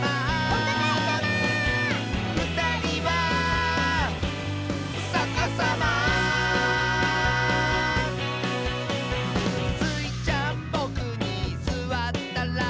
「おたがいさま」「ふたりはさかさま」「スイちゃんボクにすわったら」